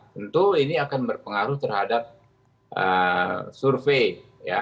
tentu ini akan berpengaruh terhadap survey